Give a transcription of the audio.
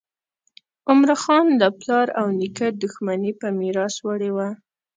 عمراخان له پلار او نیکه دښمني په میراث وړې وه.